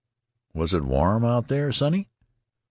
"Was it warm out there, sonny?"